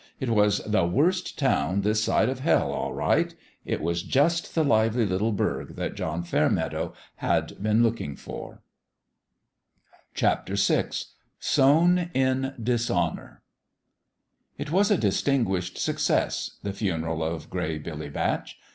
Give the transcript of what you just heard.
It was the worst town this side of hell, all right 1 It was just the lively little burg that John Fairmeadow had been look ing for 1 VI SOWN IN DISHONOUR IT was a distinguished success the funeral of Gray Billy Batch.